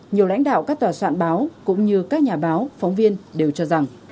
nhiều lãnh đạo các tòa soạn báo cũng như các nhà báo phóng viên đều cho rằng